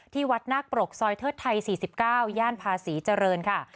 ที่วัดนาคปรกซอยเทิดไทย๔๙ย่านภาษีเจริญค่ะ